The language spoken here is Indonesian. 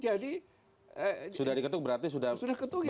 jadi eh sudah diketuk berarti sudah berlaku